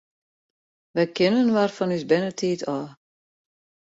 Wy kenne inoar fan ús bernetiid ôf.